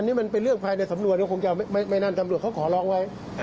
อันนี้มันเป็นเรื่องภายในสำนวนของตรงกลางแม่นั่นทำรูปเขาขอล้องไว้